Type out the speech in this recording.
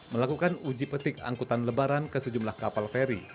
melakukan uji petik angkutan lebaran ke sejumlah kapal feri